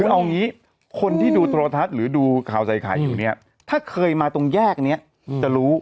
คือเอางี้คนที่ดูโทรทัศน์หรือดูข่าวใส่ไข่อยู่เนี่ยถ้าเคยมาตรงแยกนี้จะรู้